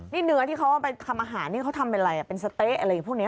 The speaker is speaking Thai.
นี่เนื้อที่เขาเอาไปทำอาหารนี่เขาทำเป็นอะไรเป็นสะเต๊ะอะไรพวกนี้